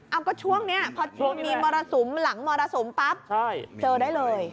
เอาก็ช่วงนี้พอช่วงมีมรสุมหลังมรสุมปั๊บเจอได้เลย